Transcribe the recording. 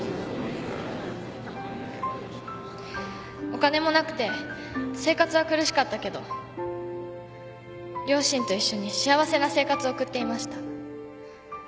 お金もなくて生活は苦しかったけど両親と一緒に幸せな生活を送っていました。